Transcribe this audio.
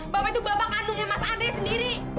bapak itu bapak kandungnya mas andre sendiri